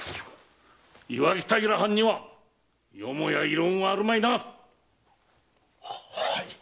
磐城平藩にはよもや異論はあるまいな？ははい。